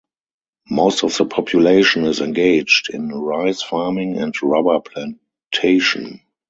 Most of the population is engaged in rice farming and rubber plantation.